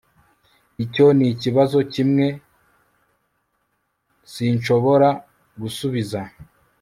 icyo nikibazo kimwe sinshobora gusubiza